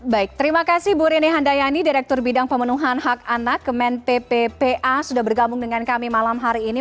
baik terima kasih bu rini handayani direktur bidang pemenuhan hak anak kemen pppa sudah bergabung dengan kami malam hari ini